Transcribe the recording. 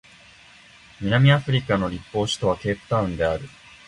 南アフリカの立法首都はケープタウンである